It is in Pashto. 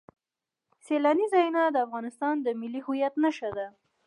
سیلاني ځایونه د افغانستان د ملي هویت نښه ده.